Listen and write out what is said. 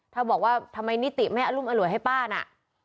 ถ้าบอกว่าทำไมนิติไม่อรุมอร่วยให้ป้าน่ะ